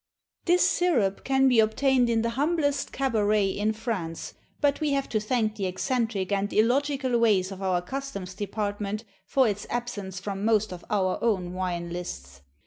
_ This syrup can be obtained in the humblest cabaret in France; but we have to thank the eccentric and illogical ways of our Customs Department for its absence from most of our own wine lists.